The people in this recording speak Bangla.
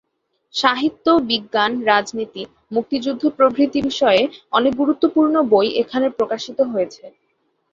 সাহিত্য, বিজ্ঞান, রাজনীতি, মুক্তিযুদ্ধ প্রভৃতি বিষয়ে অনেক গুরুত্বপূর্ণ বই এখানে প্রকাশিত হয়েছে।